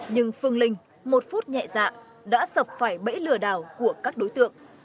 nhưng phương linh một phút nhẹ dạ đã sập phải bẫy lừa đảo của các đối tượng